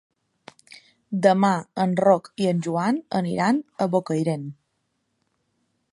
Demà en Roc i en Joan aniran a Bocairent.